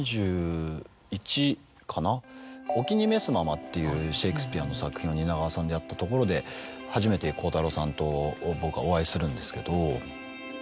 っていうシェイクスピアの作品を蜷川さんでやったところで初めて鋼太郎さんと僕はお会いするんですけど。